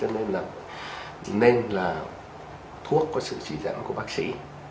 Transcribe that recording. nên là thuốc có sự chỉ dẫn của bác sĩ